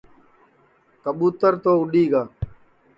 کٻُوتر تو اُڈؔی گا